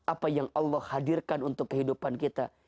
apa yang allah hadirkan untuk kehidupan kita